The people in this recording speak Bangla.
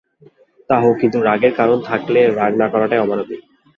তা হোক, কিন্তু রাগের কারণ থাকলে রাগ না করাটা অমানবিক।